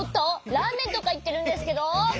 ラーメンとかいってるんですけど。